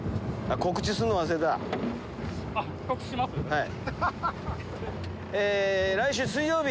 はい。